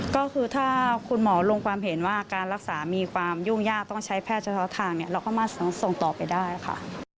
ก็คือถ้าคุณหมอลงความเห็นว่าการรักษามีความยุ่งยากต้องใช้แพทย์เฉพาะทางเนี่ยเราก็มาส่งต่อไปได้ค่ะ